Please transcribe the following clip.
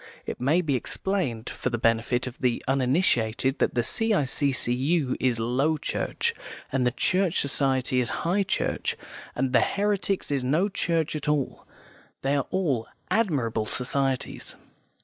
(It may be explained for the benefit of the uninitiated that the C.I.C.C.U. is Low Church, and the Church Society is High Church, and the Heretics is no church at all. They are all admirable societies).